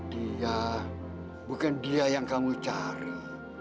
dia bukan dia yang kamu cari